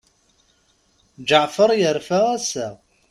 Ǧeɛfer yerfa ass-a.